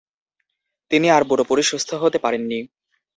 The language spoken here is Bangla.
তিনি আর পুরোপুরি সুস্থ হতে পারেননি।